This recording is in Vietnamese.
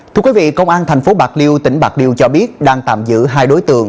thưa quý vị công an tp bạc liêu tỉnh bạc liêu cho biết đang tạm giữ hai đối tượng